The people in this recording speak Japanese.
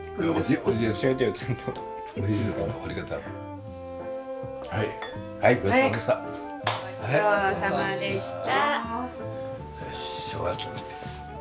ごちそうさまでした。